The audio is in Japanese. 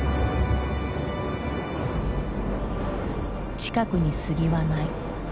近くに杉はない。